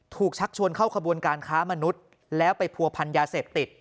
ชักชวนเข้าขบวนการค้ามนุษย์แล้วไปผัวพันยาเสพติด